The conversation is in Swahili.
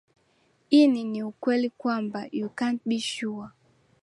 ini ni ukweli kwamba you cant be sure